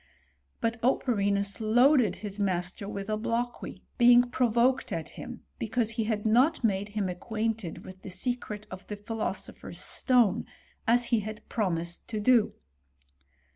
But Operinus loaded his master with obloquy, being provoked at him because he had not made him acquainted with the secret of the philoso*^ pher's stone, as he had promised to do.